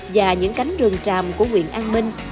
và những cánh rừng tràm của nguyện an minh